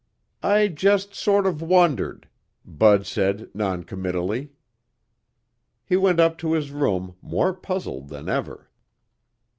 "I just sort of wondered," Bud said noncommittally. He went up to his room more puzzled than ever.